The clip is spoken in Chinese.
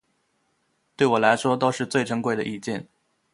对我来说都是最珍贵的意见